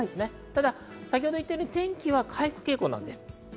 ただ、先ほど言ったように天気は回復傾向です。